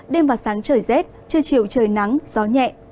đêm và sáng trời rét trưa chiều trời nắng gió nhẹ